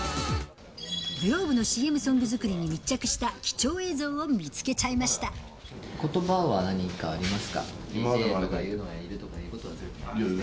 ｇｌｏｂｅのＣＭソング作りに密着した貴重映像を見つけちゃいまことばは何かありますか？